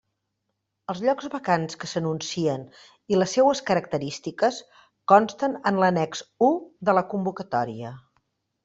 Els llocs vacants que s'anuncien i les seues característiques consten en l'annex u de la convocatòria.